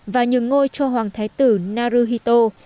và nhường ngôi cho hoàng thái tử naruhito